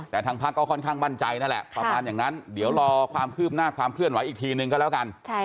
แต่ทางพักก็ค่อนข้างมั่นใจนั่นแหละประมาณอย่างนั้นเดี๋ยวรอความคืบหน้าความเคลื่อนไหวอีกทีนึงก็แล้วกัน